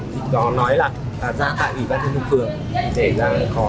thì có nói là ra tại ủy ban tháp hương phường để ra khó